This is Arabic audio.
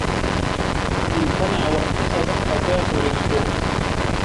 فَإِنْ قَنَعَ وَاقْتَصَدَ أَتَاهُ رِزْقُهُ